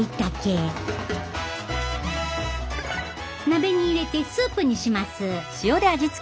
鍋に入れてスープにします。